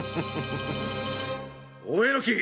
大榎！